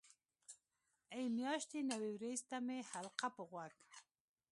ای میاشتې نوې وریځ ته مې حلقه په غوږ.